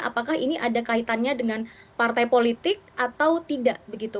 apakah ini ada kaitannya dengan partai politik atau tidak begitu